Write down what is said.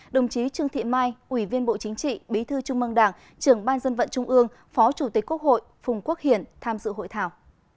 đồng chí trương thị mai ủy viên bộ chính trị bí thư trung mương đảng trưởng ban dân vận trung ương phó chủ tịch quốc hội phùng quốc hiển tham dự hội thảo